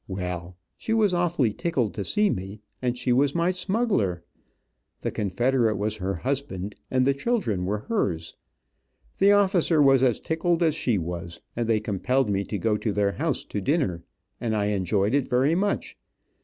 Well, she was awfully tickled to see me, and she was my smuggler, the Confederate was her husband, and the children were hers. The officer was as tickled as she was, and they compelled me to go to their house to dinner, and I enjoyed it very much.